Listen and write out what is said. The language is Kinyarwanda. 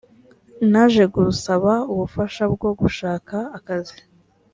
naje gusaba ubufasha bwo gushaka akazi